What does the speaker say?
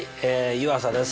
湯浅です。